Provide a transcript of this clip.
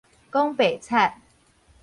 講白賊